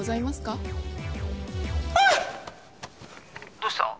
どうした？